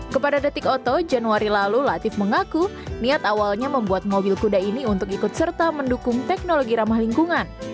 kepada detik oto januari lalu latif mengaku niat awalnya membuat mobil kuda ini untuk ikut serta mendukung teknologi ramah lingkungan